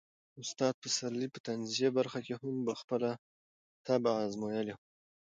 استاد پسرلي په طنزيه برخه کې هم خپله طبع ازمایلې وه.